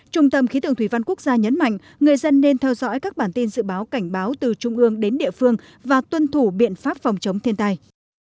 trung tâm khí tượng thủy văn quốc gia nhấn mạnh người dân nên theo dõi các bản tin dự báo cảnh báo từ trung ương đến địa phương và tuân thủ biện pháp phòng chống thiên tai